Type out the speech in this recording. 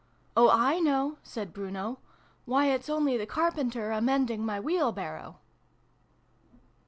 ' Oh, I know !' said Bruno. ' Why, it's only the Carpenter a mending my Wheelbarrow